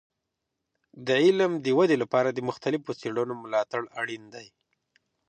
د علم د ودې لپاره د مختلفو څیړنو ملاتړ اړین دی.